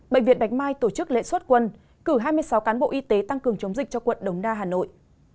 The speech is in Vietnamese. bệnh viện bạch mai tổ chức lễ xuất quân cử hai mươi sáu cán bộ y tế tăng cường chống dịch cho quận đống đa hà nội